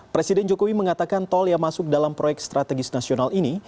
presiden jokowi mengatakan tol yang masuk dalam proyek strategis nasional ini